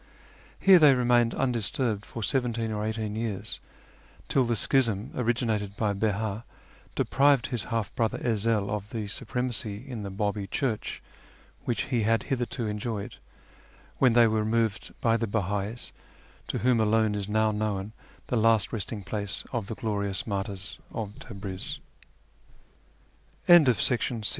Here they remained undisturbed for seventeen or eighteen years, till the schism originated by Beh;i deprived his half brother Ezel of the supremacy in the B;ibi Church which he had hitherto enjoyed, when they were removed by the Beha'is, to whom alone is now known the last resting place of the gloriou